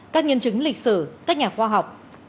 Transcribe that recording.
các nhân chứng lịch sử các nhà khoa học